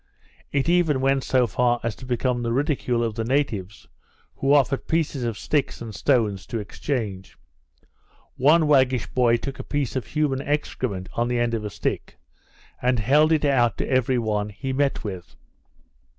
It even went so far as to become the ridicule of the natives, who offered pieces of sticks and stones to exchange. One waggish boy took a piece of human excrement on the end of a stick, and held it out to every one he met with.